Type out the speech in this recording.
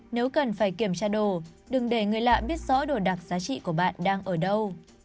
nếu cần phải kiểm tra đồ đừng để người lạ biết rõ đồ đặc giá trị của bạn đang ở đâu